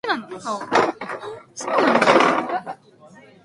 Surface erosion can expose such preserved materials.